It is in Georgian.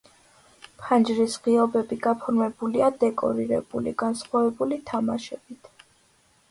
ფანჯრის ღიობები გაფორმებულია დეკორირებული განსხვავებული თამასებით.